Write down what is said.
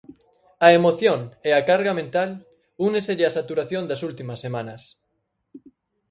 Á emoción e á carga mental úneselle a saturación das últimas semanas.